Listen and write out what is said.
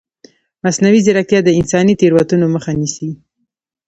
مصنوعي ځیرکتیا د انساني تېروتنو مخه نیسي.